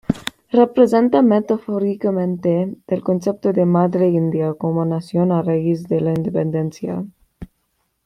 Representa metafóricamente del concepto de "Madre India", como nación a raíz de la independencia.